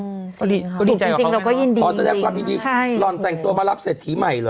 ก็ดีจริงจริงเราก็ยินดีอ๋อแสดงความยินดีใช่หล่อนแต่งตัวมารับเศรษฐีใหม่เหรอ